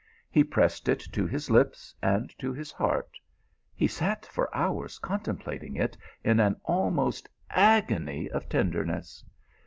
He pressed it to his lips and to his heart ; he sat for hours contemplating it in an almost agony of tenderness.